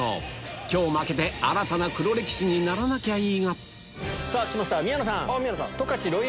今日負けて新たな黒歴史にならなきゃいいがさぁきました宮野さん。